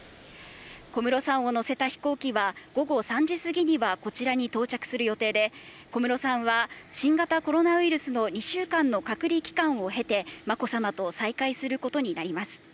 小室さんを乗せた飛行機は午後３時過ぎにはこちらに到着する予定で、小室さんは新型コロナウイルスの２週間の隔離期間を経て、まこさまと再会することになります。